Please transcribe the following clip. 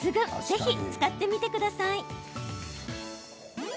ぜひ使ってみてください。